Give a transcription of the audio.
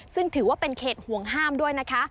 ซึ่งถือว่าเป็นเขตห่วงห้ามด้วยนะคะ